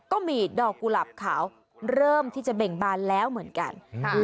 ก็มีดอกกุหลาบขาวเริ่มที่จะเบ่งบานแล้วเหมือนกัน